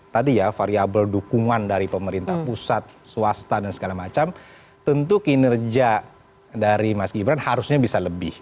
tadi ya variable dukungan dari pemerintah pusat swasta dan segala macam tentu kinerja dari mas gibran harusnya bisa lebih